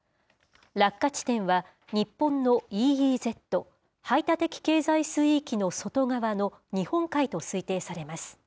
落下地点は、日本のＥＥＺ・排他的経済水域の外側の日本海と推定されます。